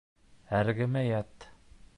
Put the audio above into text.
Эргәмә ят.